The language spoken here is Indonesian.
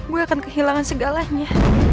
gue akan kehilangan segalanya